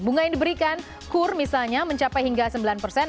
bunga yang diberikan kur misalnya mencapai hingga sembilan persen